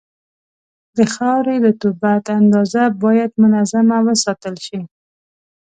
د خاورې رطوبت اندازه باید منظمه وساتل شي.